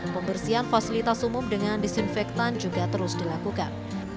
pembersihan fasilitas umum dengan disinfektan juga terus dilakukan